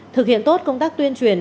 thực hiện tốt công tác tuyên truyền